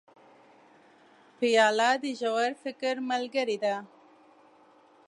پیاله د ژور فکر ملګرې ده.